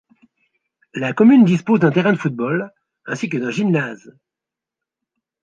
La commune dispose d'un terrain de football ainsi que d'un gymnase.